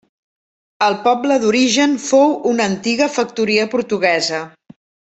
El poble d'origen fou una antiga factoria portuguesa.